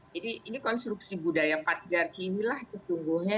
ini konstruksi budaya patriarki inilah sesungguhnya